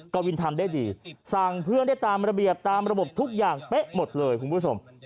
กวินทำได้ดีสั่งเพื่อนได้ตามระเบียบตามระบบทุกอย่างเป๊ะหมดเลยคุณผู้ชม